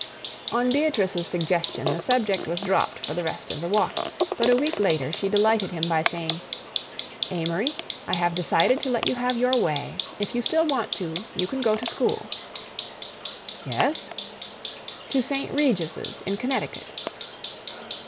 On Beatrice's suggestion the subject was dropped for the rest of the walk, but a week later she delighted him by saying: "Amory, I have decided to let you have your way. If you still want to, you can go to school." "Yes?" "To St. Regis's in Connecticut."